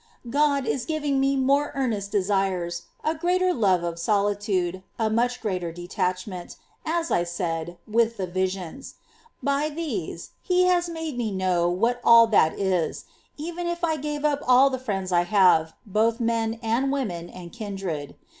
5. God is giving me more earnest desires, a Kindred. greater love of solitude, a much greater detachment, as I said, with the visions ; by these He has made me know what all that is, even if I gave up all the friends I have, both men and women and kindred.